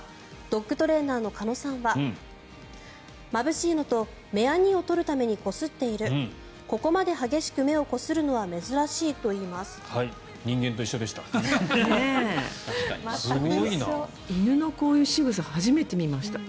ドッグトレーナーの鹿野さんはまぶしいのと目やにを取るためにこすっているここまで激しく目をこするのは珍しいということでした。